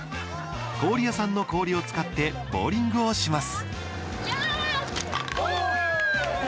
氷屋さんの氷を使ってボーリングをします。